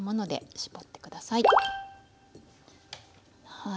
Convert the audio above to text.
はい。